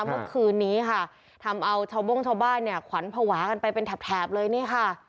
เมื่อคืนนี้ค่ะทำเอาชาวบ้งชาวบ้านเนี่ยขวัญภาวะกันไปเป็นแถบแถบเลยนี่ค่ะ